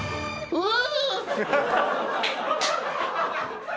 うわ！